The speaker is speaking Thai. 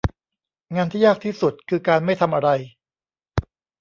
งานที่ยากที่สุดคือการไม่ทำอะไร